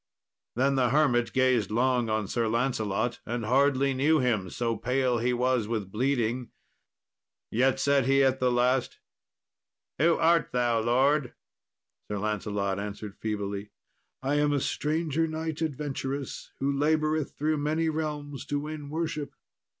Then the hermit gazed long on Sir Lancelot, and hardly knew him, so pale he was with bleeding, yet said he at the last, "Who art thou, lord?" Sir Lancelot answered feebly, "I am a stranger knight adventurous, who laboureth through many realms to win worship."